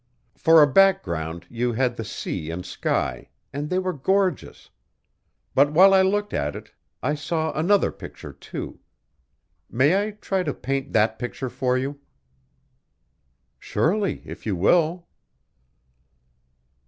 For a background you had the sea and sky and they were gorgeous. But while I looked at it I saw another picture, too. May I try to paint that picture for you?" "Surely, if you will."